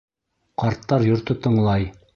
Ҡарттар йорто тыңлай!